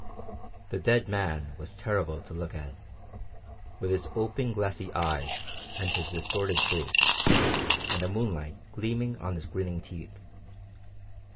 The dead man was terrible to look at, with his open glassy eyes and his distorted face, and the moonlight gleaming on his grinning teeth.